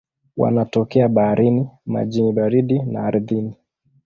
Wanatokea baharini, majini baridi na ardhini.